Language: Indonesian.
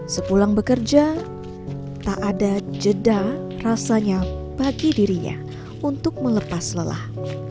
sepulang bekerja tak ada jeda rasanya bagi dirinya untuk melepas lelah